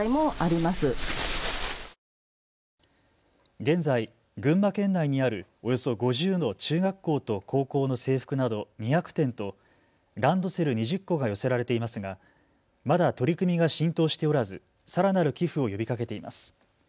現在、群馬県内にあるおよそ５０の中学校と高校の制服など２００点とランドセル２０個が寄せられていますが、まだ取り組みが浸透しておらず、さらなる寄付を呼びかけています。